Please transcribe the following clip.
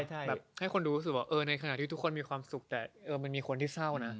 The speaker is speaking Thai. แบบให้คนดูรู้สึกว่าในขณะที่ทุกคนมีความสุขแต่มันมีคนที่เศร้านะ